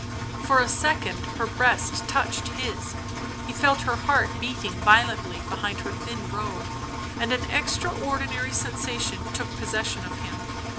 For a second her breast touched his; he felt her heart beating violently behind her thin robe, and an extra ordinary sensation took possession of him.